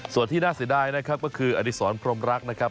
ส่วนที่น่าเสียดายนะครับก็คืออดีศรพรมรักนะครับ